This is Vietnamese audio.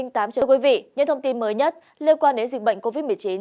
thưa quý vị những thông tin mới nhất liên quan đến dịch bệnh covid một mươi chín